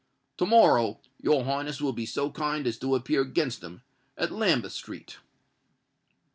To morrow your Highness will be so kind as to appear against him at Lambeth Street."